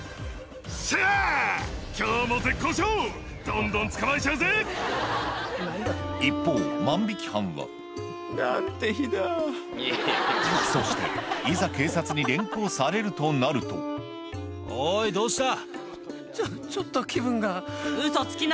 盗んだホットパンツは一方万引き犯はそしていざ警察に連行されるとなるとおいどうした。